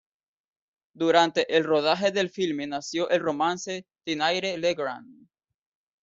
Durante el rodaje del filme nació el romance Tinayre-Legrand.